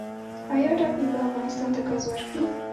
آیا ټاپي به افغانستان ته ګاز ورکړي؟